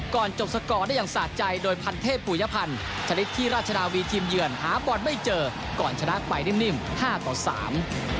ก่อนจบสกอร์ได้อย่างสะใจโดยพันเทพปุยพันธ์ชนิดที่ราชนาวีทีมเยือนหาบอลไม่เจอก่อนชนะไปนิ่มนิ่มห้าต่อสาม